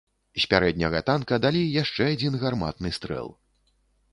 З пярэдняга танка далі яшчэ адзін гарматны стрэл.